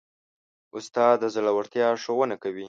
استاد د زړورتیا ښوونه کوي.